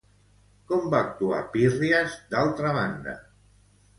Com va actuar Pírries, d'altra banda?